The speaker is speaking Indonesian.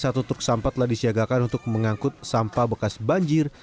satu truk sampah telah disiagakan untuk mengangkut sampah bekas banjir